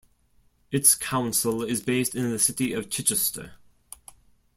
Its council is based in the city of Chichester.